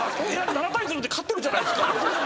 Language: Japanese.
「７対０で勝ってるじゃないですか」